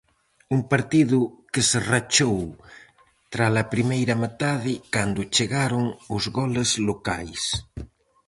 Un partido que se rachou tras a primeira metade cando chegaron os goles locais.